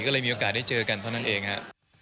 ก็เลยมีโอกาสได้เจอกันเท่านั้นเองฮะ